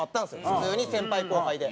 普通に先輩後輩で。